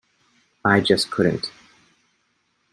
I just couldn't.